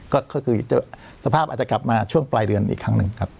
ก็คือสภาพอาจจะกลับมาช่วงปลายเดือนอีกครั้งหนึ่งครับ